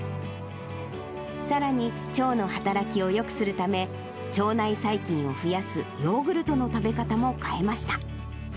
さらに、腸の働きをよくするため、腸内細菌を増やすヨーグルトの食べ方も変えました。